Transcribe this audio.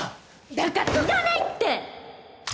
だからいらないって！